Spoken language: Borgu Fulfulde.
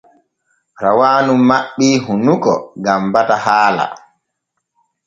Rawaanu maɓɓii hunnuko gam bata haala.